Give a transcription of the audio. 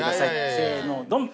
せのドン。